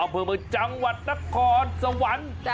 เอาไปจังหวัดนักของสวรรค์